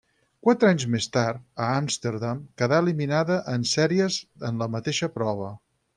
Quatre anys més tard, a Amsterdam, quedà eliminada en sèries en la mateixa prova.